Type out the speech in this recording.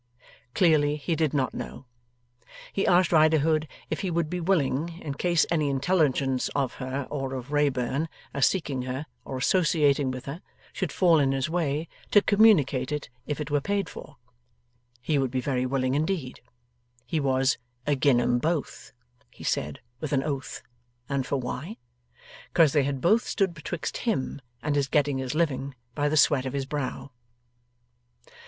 Clearly, he did not know. He asked Riderhood if he would be willing, in case any intelligence of her, or of Wrayburn as seeking her or associating with her, should fall in his way, to communicate it if it were paid for? He would be very willing indeed. He was 'agin 'em both,' he said with an oath, and for why? 'Cause they had both stood betwixt him and his getting his living by the sweat of his brow.